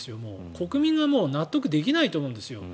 国民が納得できないと思うんです